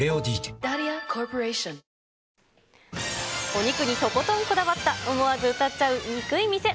お肉にとことんこだわった、思わず歌っちゃうニクい店。